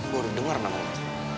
gue udah denger nama lo